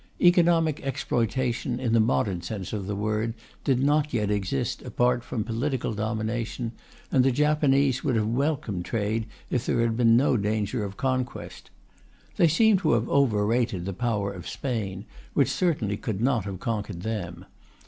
Economic exploitation, in the modern sense of the word, did not yet exist apart from political domination, and the Japanese would have welcomed trade if there had been no danger of conquest. They seem to have overrated the power of Spain, which certainly could not have conquered them.